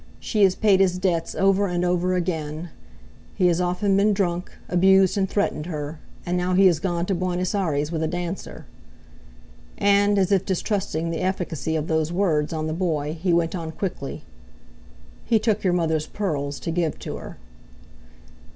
She has paid his debts over and over again; he has often been drunk, abused and threatened her; and now he is gone to Buenos Aires with a dancer." And, as if distrusting the efficacy of those words on the boy, he went on quickly: "He took your mother's pearls to give to her."